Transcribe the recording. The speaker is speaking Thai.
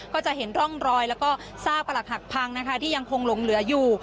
ก็จะเห็นร่องรอยแล้วก็ซากประหลักหักพังนะคะที่ยังคงหลงเหลืออยู่